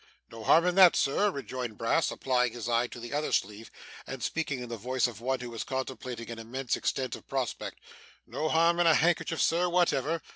'No harm in that sir,' rejoined Brass, applying his eye to the other sleeve, and speaking in the voice of one who was contemplating an immense extent of prospect. 'No harm in a handkerchief Sir, whatever.